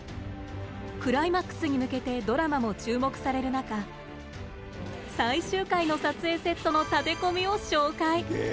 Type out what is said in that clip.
クライマックスに向けてドラマも注目される中最終回の撮影セットの建て込みを紹介。